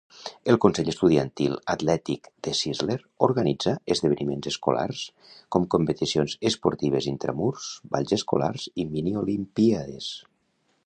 El Consell Estudiantil Atlètic de Sisler organitza esdeveniments escolars com competicions esportives intramurs, balls escolars i mini olimpíades.